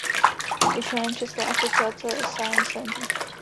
Je členem České asociace science center.